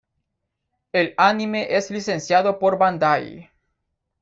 El anime es licenciado por Bandai.